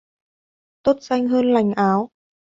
Tốt danh hơn lành áo.